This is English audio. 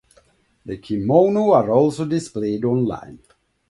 The kimono are also displayed online.